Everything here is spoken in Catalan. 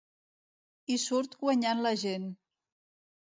Hi surt guanyant la gent.